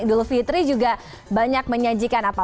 idul fitri juga banyak menyajikan apa